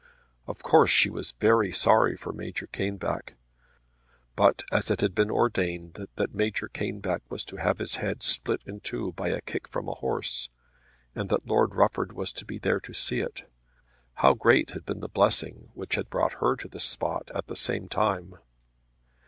Of course she was very sorry for Major Caneback. But as it had been ordained that Major Caneback was to have his head split in two by a kick from a horse, and that Lord Rufford was to be there to see it, how great had been the blessing which had brought her to the spot at the same time!